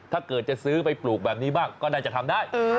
ถ้าเกิดจะซื้อไปปลูกแบบนี้บ้างก็น่าจะทำได้